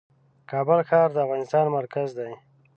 کابل ښار د افغانستان مرکز دی .